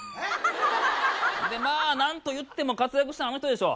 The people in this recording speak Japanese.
でまあなんと言っても活躍したんあの人でしょ。